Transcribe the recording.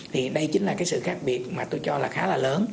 thì đây chính là cái sự khác biệt mà tôi cho là khá là lớn